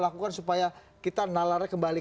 lakukan supaya kita nalarnya kembali